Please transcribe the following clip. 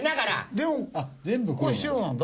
でもこれ白なんだ？